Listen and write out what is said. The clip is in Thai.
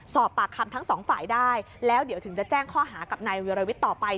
สอบปากคำทั้งสองฝ่ายได้แล้วเดี๋ยวถึงจะแจ้งข้อหากับนายวิรวิทย์ต่อไป